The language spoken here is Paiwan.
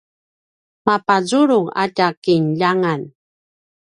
mapazurung a tja kinljangan